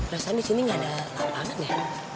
rasanya di sini nggak ada lapangan ya